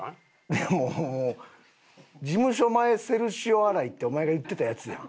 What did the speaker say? でも「事務所前セルシオ洗い」ってお前が言ってたやつやん。